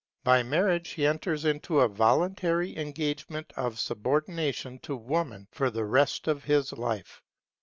By marriage he enters into a voluntary engagement of subordination to Woman for the rest of his life.